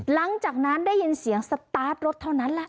หลังจากนั้นได้ยินเสียงสตาร์ทรถเท่านั้นแหละ